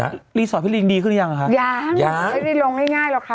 แล้วรีสอร์ทพี่ริงดีขึ้นยังยังโรงง่ายหรอกค่ะ